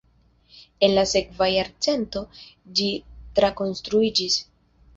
En la sekva jarcento ĝi trakonstruiĝis.